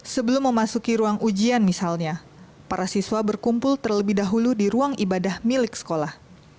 sebelum memasuki ruang ujian misalnya para siswa berkumpul terlebih dahulu di ruang ibadah milik sekolah